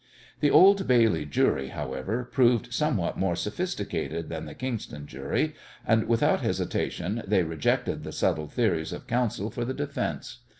The Old Bailey jury, however, proved somewhat more sophisticated than the Kingston jury, and, without hesitation, they rejected the subtle theories of counsel for the defence.